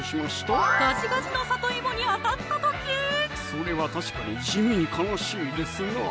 それは確かに地味に悲しいですな